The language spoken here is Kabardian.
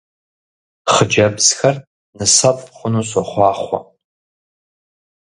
Хъыджэбзхэр нысэфӀ хъуну сохъуахъуэ!